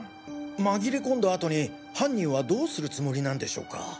紛れ込んだ後に犯人はどうするつもりなんでしょうか？